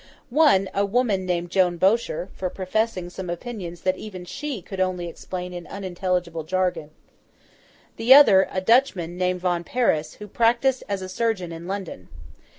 One, a woman named Joan Bocher, for professing some opinions that even she could only explain in unintelligible jargon. The other, a Dutchman, named Von Paris, who practised as a surgeon in London.